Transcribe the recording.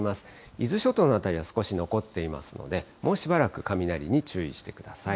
伊豆諸島の辺りは少し残っていますので、もうしばらく雷に注意してください。